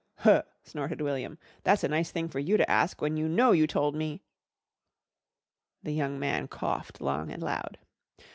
"Huh!" snorted William. "That's a nice thing for you to ask when you know you told me " The young man coughed long and loud.